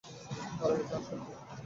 কারণ এটা আসল নয়।